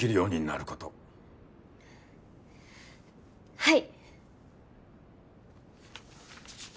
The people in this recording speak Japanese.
はい。